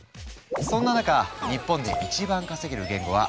そんな中日本で一番稼げる言語は「Ｓｗｉｆｔ」。